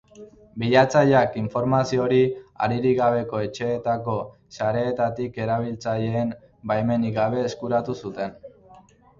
Bilatzaileak informazio hori haririk gabeko etxeetako sareetatik erabiltzaileen baimenik gabe eskuratu zuten.